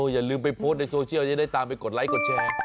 อย่าลืมไปโพสต์ในโซเชียลจะได้ตามไปกดไลค์กดแชร์